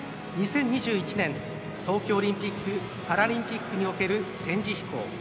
２０２１年、東京オリンピック・パラリンピックにおける展示飛行。